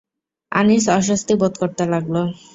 আনিস অস্বস্তি বোধ করতে লাগল।